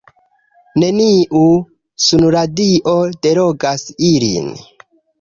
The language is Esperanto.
Neniu sunradio delogas ilin.